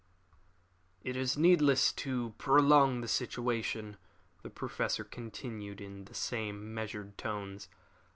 "It is needless to prolong the situation," the Professor continued, in the same measured tones.